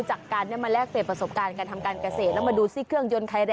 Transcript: ช่วยกันไปทำในการหากินกันต่อไป